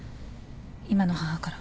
今の母から。